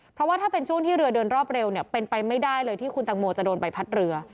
เพราะว่าถ้าเป็นช่วงที่เรือเดินรอบเร็วเนี่ยเป็นไปไม่ได้เลยที่คุณตังโมจะโดนใบพัดเรือ